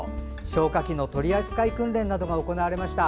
消火器の取り扱い訓練などが行われました。